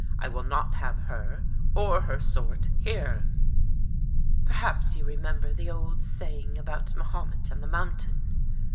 I will not have her, or her sort, here." " Perhaps you remember the old saying about Ma homet and the mountain?"